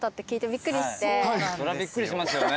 そりゃびっくりしますよね。